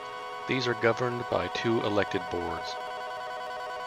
These are governed by two elected boards.